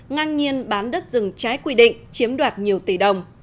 ngang nhiên bán đất rừng trái quy định chiếm đoạt nhiều tỷ đồng